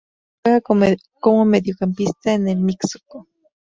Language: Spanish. Juega como mediocampista en el Mixco